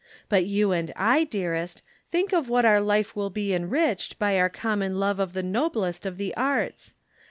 But you and I, dearest think of what our life will be enriched by our common love of the noblest of the arts.